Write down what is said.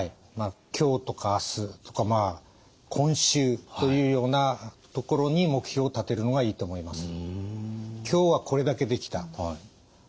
今日とか明日とかまあ今週というようなところに目標を立てるのがいいと思います。